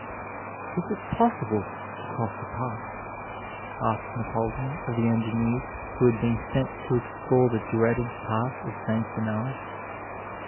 "Is it POSSIBLE to cross the path?" asked Napoleon of the engineers who had been sent to explore the dreaded pass of St. Bernard.